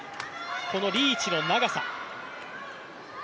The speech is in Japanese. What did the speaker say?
このリーチの長さ。